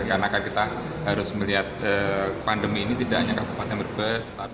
karena kan kita harus melihat pandemi ini tidak hanya kabupaten brebes